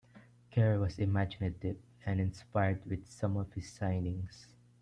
Kerr was imaginative and inspired with some of his signings.